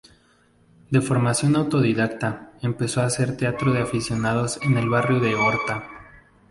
De formación autodidacta, empezó a hacer teatro de aficionados en el barrio de Horta.